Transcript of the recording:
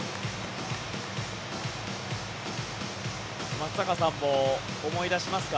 松坂さんも思い出しますか？